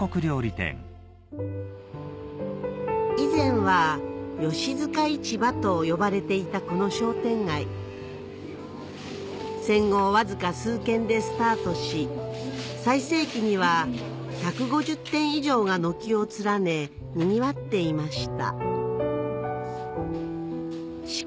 以前はと呼ばれていたこの商店街戦後わずか数軒でスタートし最盛期には１５０店以上が軒を連ね賑わっていました